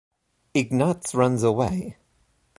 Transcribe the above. Ignatz runs away.